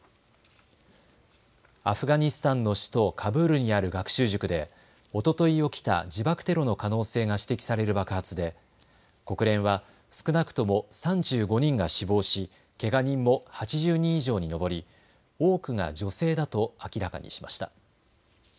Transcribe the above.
アフガニスタンの首都カブールにある学習塾でおととい起きた自爆テロの可能性が指摘される爆発で国連は少なくとも３５人が死亡しけが人も８０人以上に上り、多くが女性だと明らかにしました。